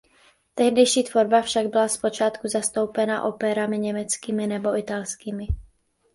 Tehdejší tvorba však byla zpočátku zastoupena operami německými nebo italskými.